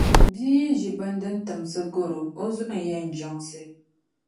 Bia yi ʒi bini din timsi gari o, o zuɣu n-yɛn jiŋsi.